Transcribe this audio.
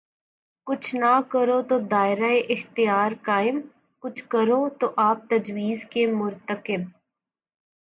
کچھ نہ کرو تو دائرہ اختیار قائم‘ کچھ کرو تو آپ تجاوز کے مرتکب۔